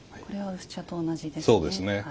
これは薄茶と同じですね。